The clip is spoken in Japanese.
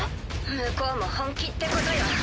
向こうも本気ってことよ。